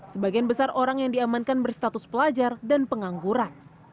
sebagian besar orang yang diamankan berstatus pelajar dan pengangguran